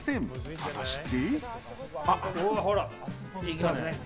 果たして。